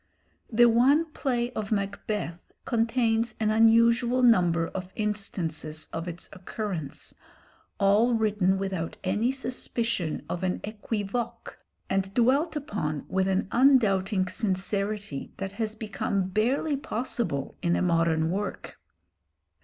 The one play of 'Macbeth' contains an unusual number of instances of its occurrence, all written without any suspicion of an équivoque and dwelt upon with an undoubting sincerity that has become barely possible in a modern work.